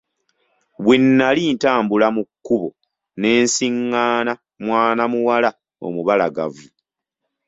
Bwe nnali ntambula mu kkubo ne nsiղղaana mwana muwala omubalagavu.